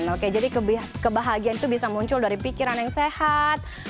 oke jadi kebahagiaan itu bisa muncul dari pikiran yang sehat